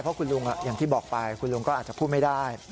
เพราะคุณลุงอย่างที่บอกไปคุณลุงก็อาจจะพูดไม่ได้